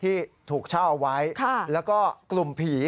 ที่ถูกเช่าเอาไว้แล้วก็กลุ่มผี